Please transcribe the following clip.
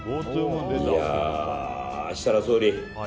いやー、設楽総理。